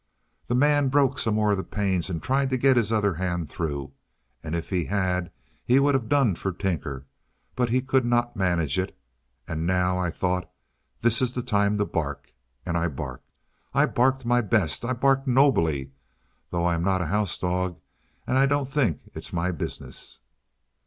The man broke some more panes and tried to get his other hand through, and if he had he would have done for Tinker, but he could not manage it; and now I thought "This is the time to bark," and I barked. I barked my best, I barked nobly, though I am not a house dog, and I don't think it's my business.